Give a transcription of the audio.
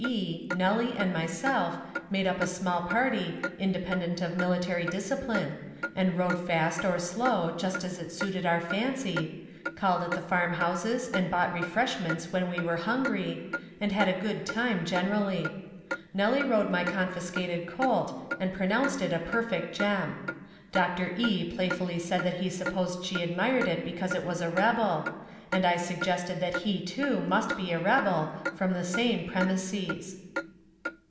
E., Nellie and myself, made up a small party, independent of military discipline, and rode fast or slow, just as it suited our fancy, called at the farm houses and bought refreshments when we were hungry, and had a good time generally. Nellie rode my confiscated colt, and pronounced it a perfect gem. Dr. E. playfully said that he supposed she admired it because it was a rebel, and I suggested that he too must be a rebel, from the same premises.